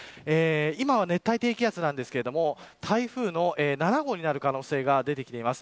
今は熱帯低気圧なんですが台風７号になる可能性が出てきています。